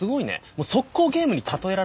もう即行ゲームに例えられるのね